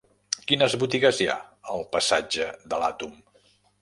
Quines botigues hi ha al passatge de l'Àtom?